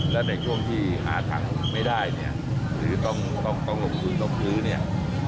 และในช่วงที่หาทางไม่ได้เนี่ยหรือต้องลงทุนต้องซื้อเนี่ย